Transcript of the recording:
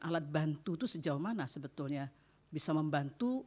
alat bantu itu sejauh mana sebetulnya bisa membantu